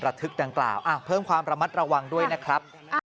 ทึกดังกล่าวเพิ่มความระมัดระวังด้วยนะครับ